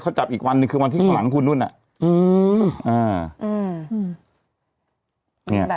เขาจับอีกวันคือหลังพอวิมอนตรีบคือนุ่นน่ะ